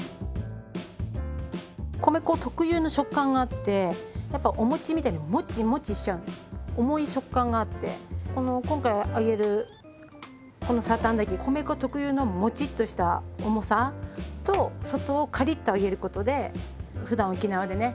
米粉特有の食感があってやっぱお餅みたいにモチモチしちゃう重い食感があってこの今回揚げるこのサーターアンダギー米粉特有のモチッとした重さと外をカリッと揚げることでふだん沖縄でね